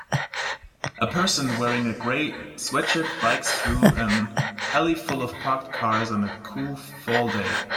A person wearing a gray sweatshirt bikes through an alley full of parked cars on a cool fall day